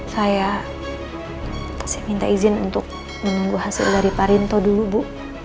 saya minta izin untuk menunggu hasil dari pak rinto dulu bu